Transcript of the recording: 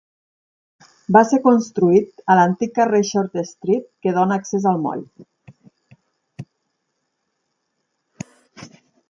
Va ser construït a l'antic carrer Short Street que dóna accés al moll.